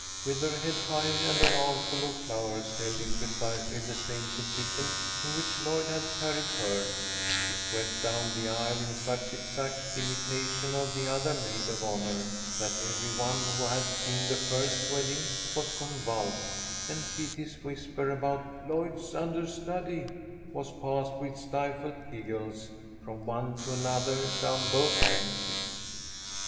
With her head high, and her armful of flowers held in precisely the same position in which Lloyd had carried hers, she swept down the aisle in such exact imitation of the other maid of honor, that every one who had seen the first wedding was convulsed, and Kitty's whisper about "Lloyd's understudy" was passed with stifled giggles from one to another down both benches.